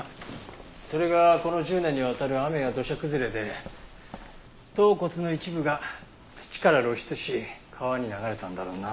それがこの１０年にわたる雨や土砂崩れで頭骨の一部が土から露出し川に流れたんだろうな。